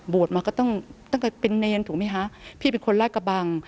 บวชมาก็ต้องต้องก็เป็นเนรถูกมั้ยฮะพี่เป็นคนราชกระบัง